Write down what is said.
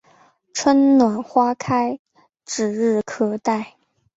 春暖花开指日可待